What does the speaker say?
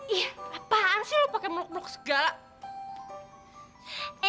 ih apaan sih lo pake muluk muluk segala